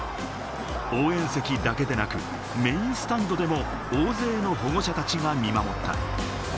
応援席だけでなく、メーンスタンドでも大勢の保護者たちが見守った。